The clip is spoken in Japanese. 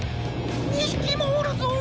２ひきもおるぞ！